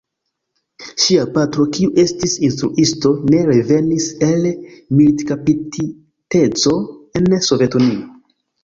Ŝia patro, kiu estis instruisto, ne revenis el militkaptiteco en Sovetunio.